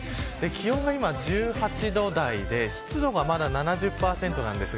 気温は今、１８度台で湿度はまだ７０％台です。